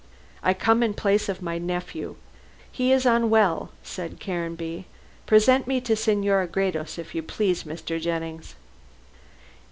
"I come in place of my nephew. He is unwell," said Caranby; "present me to Senora Gredos, if you please, Mr. Jennings."